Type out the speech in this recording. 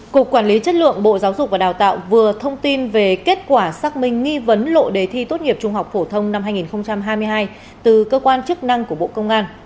cục quản lý chất lượng bộ giáo dục và đào tạo vừa thông tin về kết quả xác minh nghi vấn lộ đề thi tốt nghiệp trung học phổ thông năm hai nghìn hai mươi hai từ cơ quan chức năng của bộ công an